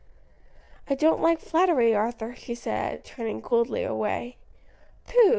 "I do not like flattery, Arthur," she answered, turning coldly away. "Pooh!